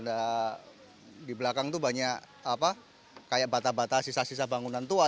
ada di belakang tuh banyak apa kayak bata bata sisa sisa bangunan tua